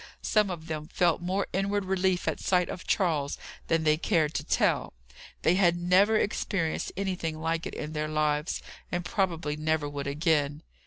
Some of them felt more inward relief at sight of Charles than they cared to tell; they had never experienced anything like it in their lives, and probably never would again.